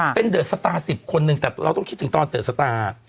ค่ะเป็นเดอร์สตาร์สิบคนหนึ่งแต่เราต้องคิดถึงตอนเดอร์สตาร์